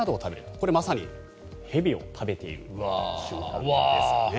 これ、まさに蛇を食べている瞬間ですね。